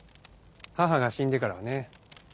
母が死んでからはね。